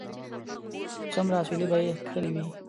څومره اسويلي به یې کښلي وي